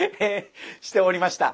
しておりました。